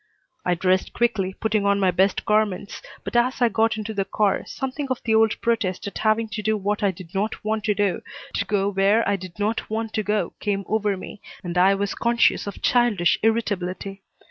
I dressed quickly, putting on my best garments, but as I got into the car something of the old protest at having to do what I did not want to do, to go where I did not want to go, came over me, and I was conscious of childish irritability.